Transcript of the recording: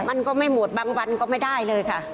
มันก็ไม่หมดบางวันก็ไม่ได้เลยค่ะ